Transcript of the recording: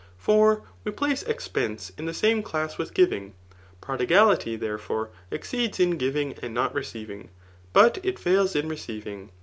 For we place ex<r pense in the same class with giving. Prodigility, tbese ^ fore, exceeds in giving and not receiving, but it fails itL receiving.